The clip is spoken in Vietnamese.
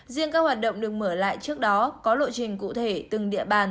riêng các hoạt động được mở lại trước đó có lộ trình cụ thể từng địa bàn